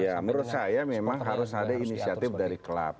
ya menurut saya memang harus ada inisiatif dari klub